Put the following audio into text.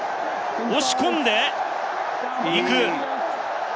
押し込んでいく。